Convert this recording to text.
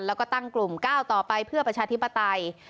แล้วก็ตั้งกลุ่มก้าวต่อไปเพื่อประชาธิปไตย